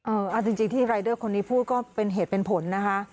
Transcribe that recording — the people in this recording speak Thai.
เอาจริงที่รายเดอร์คนนี้พูดก็เป็นเหตุเป็นผลนะคะ